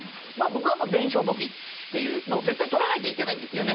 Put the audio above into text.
僕は全商簿記っていうもう絶対取らないといけないんですよね。